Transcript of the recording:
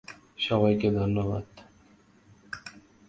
সবাইকে ধন্যবাদ।